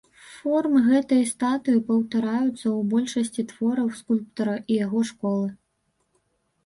Формы гэтай статуі паўтараюцца ў большасці твораў скульптара і яго школы.